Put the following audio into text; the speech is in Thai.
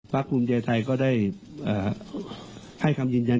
พลักษณ์ภูมิใจไทยก็ได้ให้คำยืนยัน